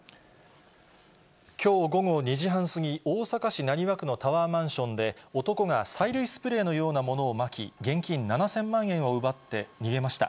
きょう午後２時半過ぎ、大阪市浪速区のタワーマンションで、男が催涙スプレーのようなものをまき、現金７０００万円を奪って逃げました。